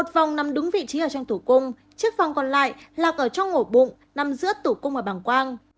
một vòng nằm đúng vị trí ở trong tử cung chiếc vòng còn lại lạc ở trong ổ bụng nằm giữa tử cung và bảng quang